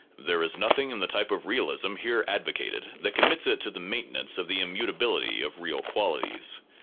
There is nothing in the type of realism here advocated that commits it to the maintenance of the immutability of real qualities.